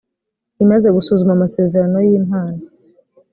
imaze gusuzuma amasezerano y impano